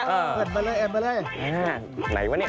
แอบไปเลย